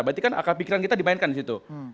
berarti kan akal pikiran kita dimainkan di situ